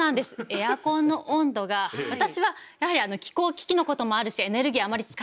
エアコンの温度が私はやはり気候危機のこともあるしエネルギーをあまり使いたくない。